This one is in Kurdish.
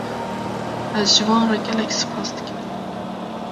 Ez ji wan re gelek spas dikim.